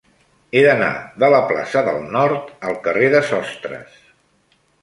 He d'anar de la plaça del Nord al carrer de Sostres.